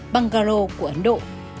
bangalore của ấn độ